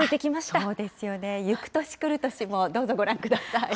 そうですよね、ゆく年くる年もどうぞご覧ください。